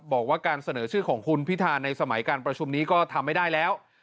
บอกว่าการเสนอชื่อของคุณพิธาในสมัยการประชุมนี้ก็ทำไม่ได้แล้ว